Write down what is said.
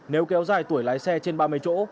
nếu kéo dài tuổi lái xe trên ba mươi chỗ